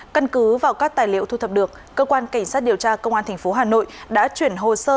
căn cứ vào các tài liệu thu thập được cơ quan cảnh sát điều tra công an tp hà nội đã chuyển hồ sơ